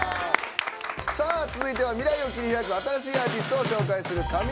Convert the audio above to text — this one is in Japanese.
続いては、未来を切り開く新しいアーティストを紹介する「ＣｏｍｉｎｇＵｐ！」。